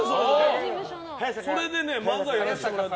それで漫才やらせてもらって。